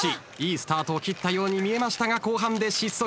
いいスタートを切ったように見えましたが後半で失速。